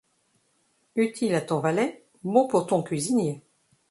Utile à ton valet, bon pour ton cuisinier